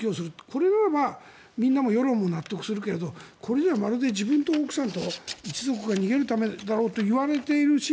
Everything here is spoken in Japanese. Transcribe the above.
これならばみんなも世論も納得するけれどこれじゃあまるで自分と奥さんと一族が逃げるためだろうといわれているし